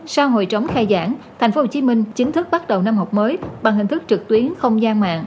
sau hồi trống khai giảng tp hcm chính thức bắt đầu năm học mới bằng hình thức trực tuyến không gian mạng